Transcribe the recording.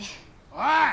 おい！